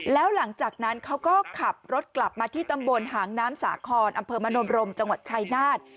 แล้วหลังจากนั้นเขาก็ขับรถกลับมาที่ตำบลหางน้ำสาคอนอำเภอมโนรมจังหวัดชายนาฏ